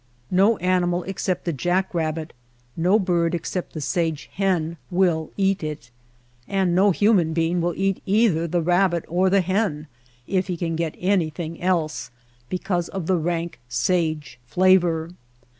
No animal except the jack rabbit, no bird except the sage hen will eat it ; and no human being will eat either the rabbit or the hen, if he can get any thing else, because of the rank sage flavor.